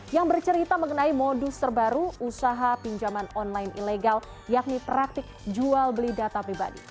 yang bercerita mengenai modus terbaru usaha pinjaman online ilegal yakni praktik jual beli data pribadi